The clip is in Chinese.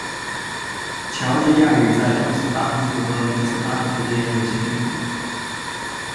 乔治亚语在动词单复数和名词单复数间有些区别。